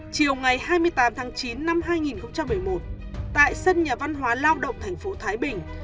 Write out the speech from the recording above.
chiều ngày hai mươi tám tháng chín năm hai nghìn một mươi một tại sân nhà văn hóa lao động thành phố thái bình